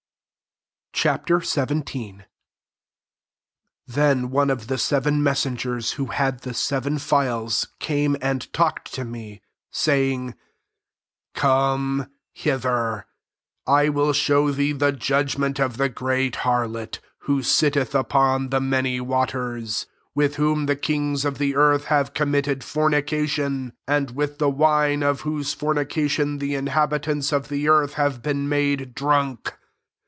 Ch. XVII. 1 Then one of the seven messengers, who had the seven phials, came and talked to me, saying, " Come hither, I will show thee the judgment of the great harlot, who sitteth upon the many wa ters ; 2 with whom the kings of the earth have committed fornication ; and with the wine of whose fornication the inha bitants of the earth have been made drunk."